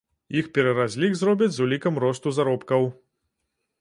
Іх пераразлік зробяць з улікам росту заробкаў.